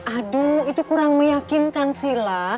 aduh itu kurang meyakinkan sila